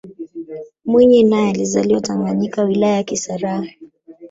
mwinyi naye alizaliwa tanganyika wilaya ya kisarawe